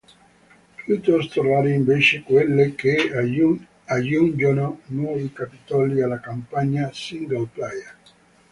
Piuttosto rare invece quelle che aggiungono nuovi capitoli alla campagna singleplayer.